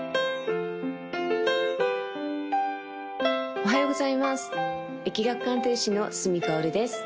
おはようございます易学鑑定士の角かおるです